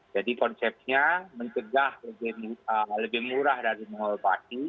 jadi konsepnya mencegah lebih murah dari mengolopati